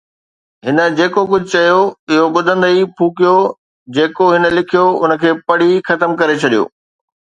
هن جيڪو ڪجهه چيو، اهو ٻڌندي ئي ڦوڪيو، جيڪو هن لکيو، ان کي پڙهي ختم ڪري ڇڏيو.